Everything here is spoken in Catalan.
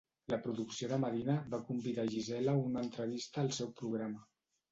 La producció de Medina va convidar a Gisela a una entrevista al seu programa.